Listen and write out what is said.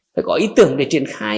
phải có ý tưởng để triển khai